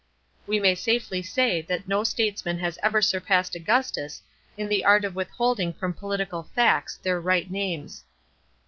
We may safely say that no statesman has ever surpassed Augustus in the art of withholding from political facts their right names.